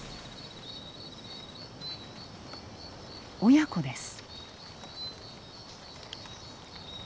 親子です。